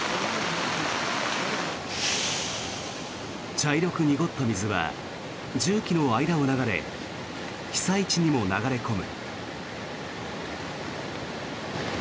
茶色く濁った水は重機の間を流れ被災地にも流れ込む。